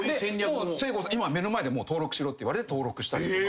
で今目の前で登録しろって言われて登録したりとか。